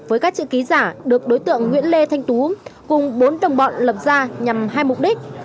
với các chữ ký giả được đối tượng nguyễn lê thanh tú cùng bốn đồng bọn lập ra nhằm hai mục đích